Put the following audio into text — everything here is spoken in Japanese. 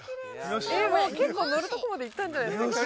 結構乗るところまで行ったんじゃないですか？